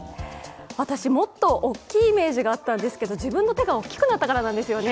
私、もっと大きいイメージがあったんですが自分の手が大きくなったからなんですよね。